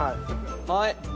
はい。